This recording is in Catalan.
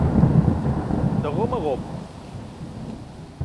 De gom a gom.